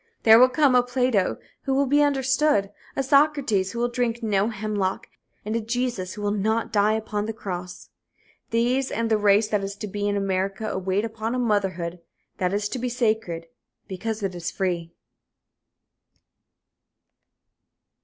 There will come a Plato who will be understood, a Socrates who will drink no hemlock, and a Jesus who will not die upon the cross. These and the race that is to be in America await upon a motherhood that is to be sacred because it is free.